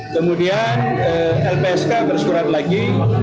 kemudian lpsk bersurat lagi